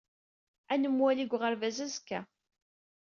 Ad nemmwali deg uɣerbaz azekka.